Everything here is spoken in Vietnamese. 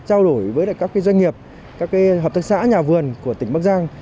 các doanh nghiệp các hợp tác xã nhà vườn của tỉnh bắc giang